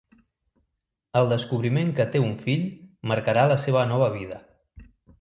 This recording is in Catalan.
El descobriment que té un fill marcarà la seva nova vida.